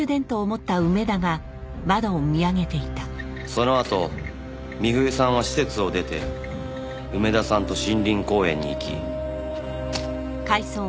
そのあと美冬さんは施設を出て梅田さんと森林公園に行き。